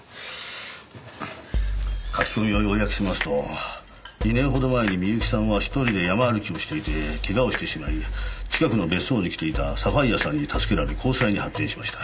書き込みを要約しますと２年ほど前に美由紀さんは１人で山歩きをしていてケガをしてしまい近くの別荘に来ていたサファイアさんに助けられ交際に発展しました。